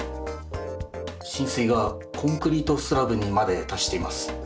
浸水がコンクリートスラブにまで達しています。